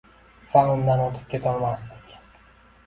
Va undan o‘tib ketolmasdik.